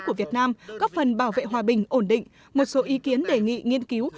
của việt nam góp phần bảo vệ hòa bình ổn định một số ý kiến đề nghị nghiên cứu